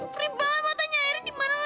perih banget matanya airnya dimana lagi